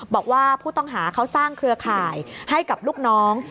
บอกว่าผู้ต้องหาเขาสร้างเครือข่ายให้กับลูกน้อง